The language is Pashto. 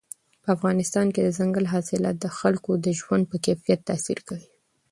په افغانستان کې دځنګل حاصلات د خلکو د ژوند په کیفیت تاثیر کوي.